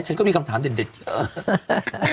ฉันก็มีคำถามเด่นเยอะ